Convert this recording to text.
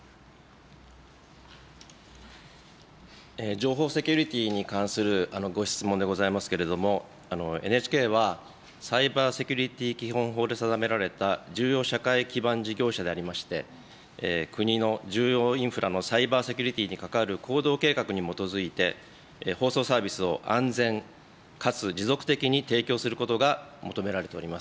情報セキュリティに関するご質問でございますけれども、ＮＨＫは、サイバーセキュリティ基本法で定められた重要社会基盤事業者でありまして、国の重要インフラのサイバーセキュリティにかかる行動計画に基づいて、放送サービスを安全かつ持続的に提供することが求められております。